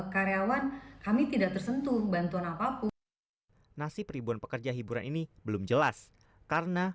karyawan kami tidak tersentuh bantuan apapun nasib ribuan pekerja hiburan ini belum jelas karena